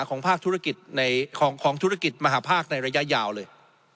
ของภาคธุรกิจของธุรกิจมหาภาคในระยะยาวเลย